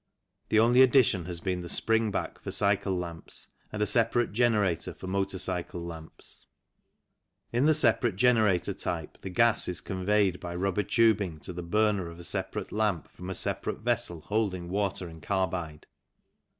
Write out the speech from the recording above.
The only addition has been the spring back for cycle lamps and a separate generator for motor cycle lamps. In the separate generator type, the gas is conveyed by rubber tubing to the burner of a separate lamp from a separate vessel holding water and carbide.